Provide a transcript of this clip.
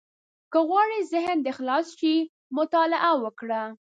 • که غواړې ذهن دې خلاص شي، مطالعه وکړه.